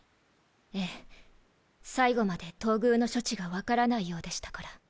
ええ最後まで東宮の処置が分からないようでしたから。